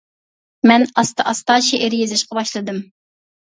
مەن ئاستا ئاستا شېئىر يېزىشقا باشلىدىم.